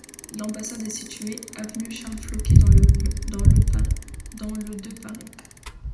L'ambassade est située avenue Charles-Floquet dans le de Paris.